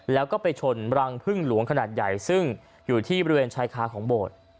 แล้วก็ไปชนรังพึ่งหลวงขนาดใหญ่ซึ่งอยู่ที่บริเวณชายคาของโบสถ์